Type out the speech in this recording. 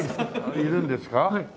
いるんですか？